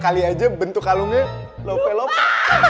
kali aja bentuk kalungnya lope lopek